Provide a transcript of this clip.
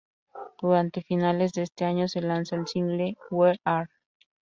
Durante finales de este año se lanza el single ""We are.